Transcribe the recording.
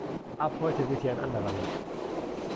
Ab heute weht hier ein anderer Wind!